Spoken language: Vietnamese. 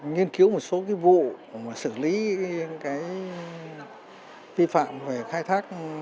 nghiên cứu một số cái vụ mà xử lý cái vi phạm về khai thác